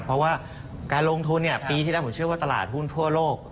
เพราะว่าการลงทุนปีที่แล้วผมเชื่อว่าตลาดหุ้นทั่วโลก